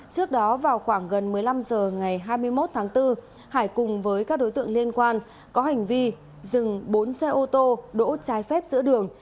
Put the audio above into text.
trước đó vào khoảng gần một mươi năm h ngày hai mươi một tháng bốn hải cùng với các đối tượng liên quan có hành vi dừng bốn xe ô tô đỗ trái phép giữa đường